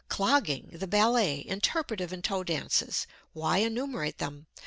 Clogging, the ballet, interpretive and toe dances why enumerate them.